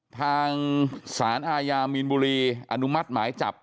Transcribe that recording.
ทางสารอาญามีนบุรีอนุมัติหมายจับ